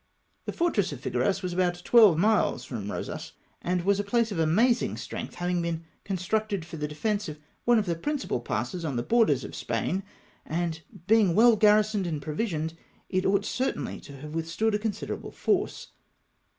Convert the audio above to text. The fortress of Figueras was about twelve miles from Eosas, and was a place of amazing strength, having been constructed for the defence of one of the principal passes on the borders of Spain, and being well garrisoned and provisioned, it ought certainly to have withstood a con siderable force.